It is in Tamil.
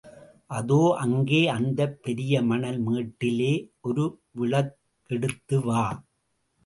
அதோ அங்கே, அத்தப் பெரிய மணல் மேட்டிலே! ஒரு விளக்கெடுத்துவா.